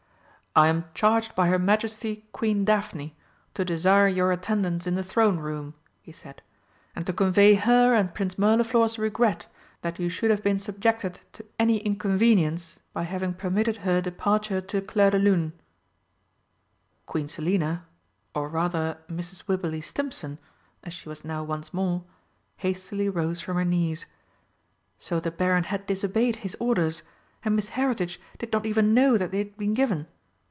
"I am charged by her Majesty Queen Daphne to desire your attendance in the Throne Room," he said, "and to convey her and Prince Mirliflor's regret that you should have been subjected to any inconvenience by having permitted her departure to Clairdelune." Queen Selina or rather Mrs. Wibberley Stimpson, as she was now once more hastily rose from her knees. So the Baron had disobeyed his orders, and Miss Heritage did not even know that they had been given!